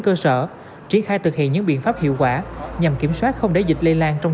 cơ sở triển khai thực hiện những biện pháp hiệu quả nhằm kiểm soát không để dịch lây lan trong